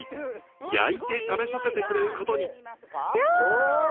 焼いて食べさせてくれることに。